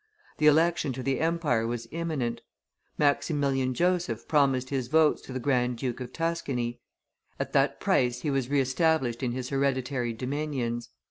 The election to the empire was imminent; Maximilian Joseph promised his votes to the Grand duke of Tuscany; at that price he was re established in his hereditary dominions.